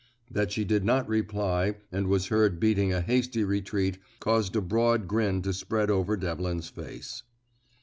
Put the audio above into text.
That she did not reply and was heard beating a hasty retreat caused a broad grin to spread over Devlin's face.